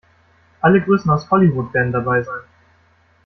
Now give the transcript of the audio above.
Alle Größen aus Hollywood werden dabei sein.